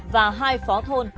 và hai phó thôn